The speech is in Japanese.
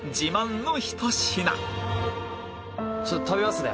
ちょっと食べますね。